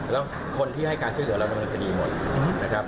แล้วคนที่ให้การเจ้าเหลือเรามันจะหนีหมดนะครับ